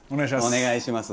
お願いします。